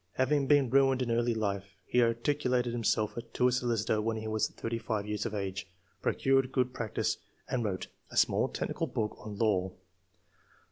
Having been ruined in early life, he articled himself to a solicitor when he was thirty five years of age ; procured good practice, and wrote [a small technical book] on law.